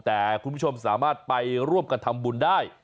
แต่คุณผู้ชมสามารถไปร่วมกันทำบุญได้